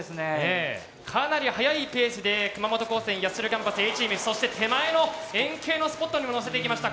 かなり速いペースで熊本高専八代キャンパスＡチームそして手前の円形のスポットにものせていきました。